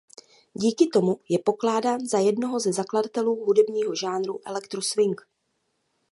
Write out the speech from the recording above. Díky tomu je pokládán za jednoho ze zakladatelů hudebního žánru electro swing.